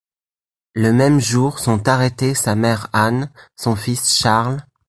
Le même jour sont arrêtés sa mère Anne, son fils Charles.